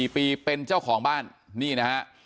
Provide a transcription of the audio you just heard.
๔ปีเป็นเจ้าของบ้านนี่นะฮะ